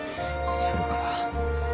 それから。